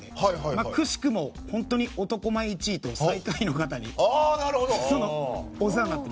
くしくも男前１位と最下位の方にお世話になってて。